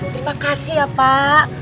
terima kasih ya pak